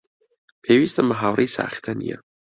پێویستم بە هاوڕێی ساختە نییە.